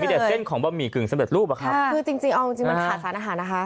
มีแต่เส้นของบะหมี่กึ่งสำเร็จรูปป่ะคือจริงอาหารมันขาดสารอาหารนะคะ